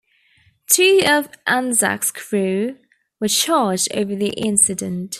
Two of "Anzac"s crew were charged over the incident.